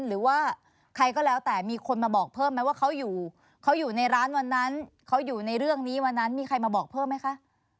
หรือว่าใครก็แล้วแต่มีคนมาบอกเพิ่มไหมว่าเขาอยู่เขาอยู่ในร้านวันนั้นเขาอยู่ในเรื่องนี้วันนั้นมีใครมาบอกเพิ่มไหมคะ